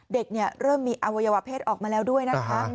เริ่มมีอวัยวะเพศออกมาแล้วด้วยนะคะ